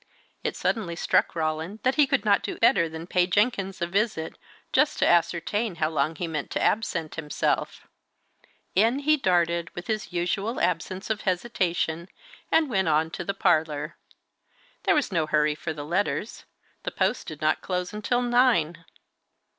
It suddenly struck Roland that he could not do better than pay Jenkins a visit, just to ascertain how long he meant to absent himself. In he darted, with his usual absence of hesitation, and went on to the parlour. There was no hurry for the letters; the post did not close until nine.